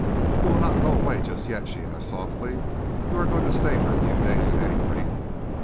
"You will not go away just yet?" she asked softly. "You are going to stay for a few days, at any rate?"